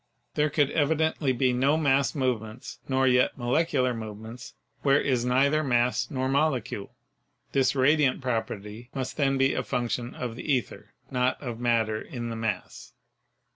There could evidently be no mass movements nor yet molecular movements where is neither mass nor molecule. This radiant property must then be a function of the ether, not of matter in the mass.